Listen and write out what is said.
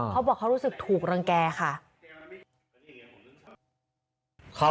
เขาบอกเขารู้สึกถูกรังแก่ค่ะ